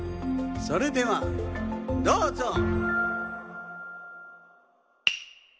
それではどうぞ！